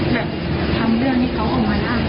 แบบทำเรื่องที่เขาวงมาแล้ว